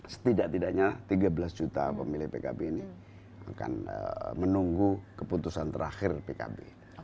setidak tidaknya tiga belas juta pemilih pkb ini akan menunggu keputusan terakhir pkb